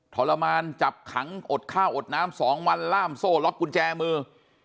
ทรมานจับขังอดข้าวอดน้ำ๒วันล่ามโซ่ล็อกกุญแจมือ